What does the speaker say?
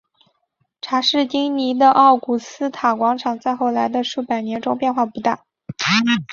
查士丁尼的奥古斯塔广场在后来的数百年中变化不大。